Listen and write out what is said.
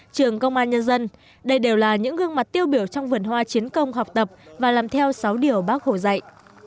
trường công an nhân dân đây đều là những gương mặt tiêu biểu trong vườn hoa chiến công học tập và làm theo sáu điều bác hồ dạy